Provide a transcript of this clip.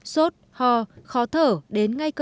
sốt hò khó thở đến ngay cơm